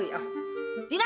eh eh sendiri